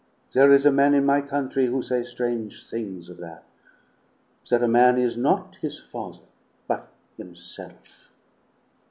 There is a man in my country who say strange things of that that a man is not his father, but himself."